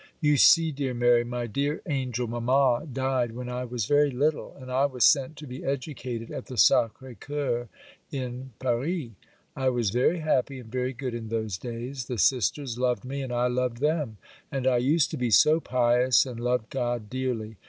You see, dear Mary, my dear angel mamma died when I was very little, and I was sent to be educated at the Sacré Cœur, in Paris. I was very happy and very good in those days—the sisters loved me, and I loved them, and I used to be so pious, and loved God dearly.